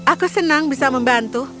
aku senang bisa membantu